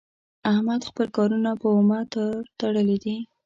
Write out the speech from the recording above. احمد خپل کارونه په اومه تار تړلي دي.